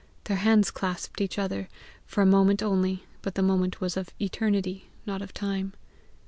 Their hands clasped each other for a moment only, but the moment was of eternity, not of time.